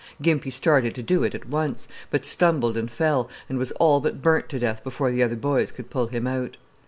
Gimpy started to do it at once, but stumbled and fell, and was all but burned to death before the other boys could pull him out.